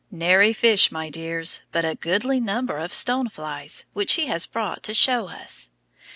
Nary fish, my dears, but a goodly number of stone flies, which he has brought to show us.